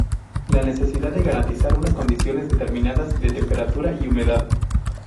La necesidad de garantizar unas condiciones determinadas de temperatura y humedad.